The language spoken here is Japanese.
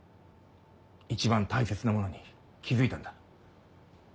一番大切なものに気づいたんだ。